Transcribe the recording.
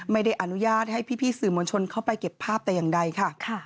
ไม่ได้อนุญาตให้พี่สื่อมวลชนเข้าไปเก็บภาพแต่อย่างใดค่ะ